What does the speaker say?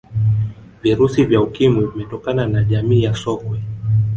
virusi vya ukimwi vimetokana na jamii ya sokwe